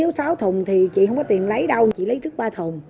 nếu sử dụng sáu thùng thì chị không có tiền lấy đâu chị lấy trước ba thùng